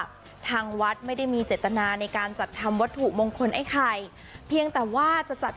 ทางวัดไม่ได้มีเจตนาในการจัดทำวัตถุมงคลไอ้ไข่เพียงแต่ว่าจะจัด